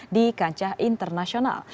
di kancah internasional